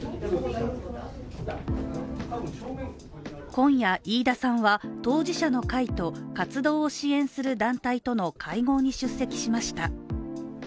今夜、飯田さんは当事者の会と活動を支援する団体との会合に出席しました。